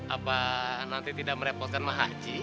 apa nanti tidak merepotkan mah haji